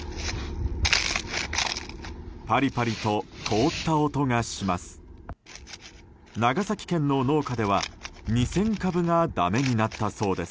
パリパリと凍った音がします。